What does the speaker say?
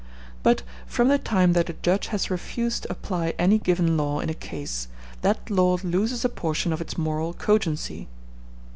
But from the time that a judge has refused to apply any given law in a case, that law loses a portion of its moral cogency.